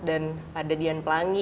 dan pada dian pelangi